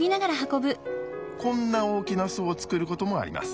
こんな大きな巣を作ることもあります。